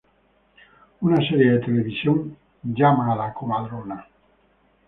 Una serie de televisión, "¡Llama a la comadrona!